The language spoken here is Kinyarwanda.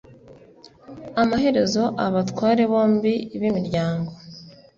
Amaherezo abatware bombi b'imiryango